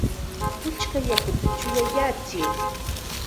¡Puchka yakuta chuyayachiy!